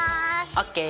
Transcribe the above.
ＯＫ。